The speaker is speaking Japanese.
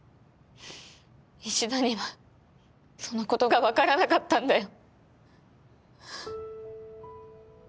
衣氏田にはそのことが分からなかったんだよ。